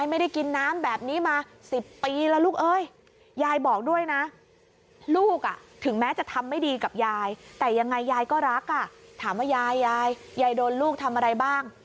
ยายก็รักอ่ะถามว่ายายยายยายโดนลูกทำอะไรบ้าง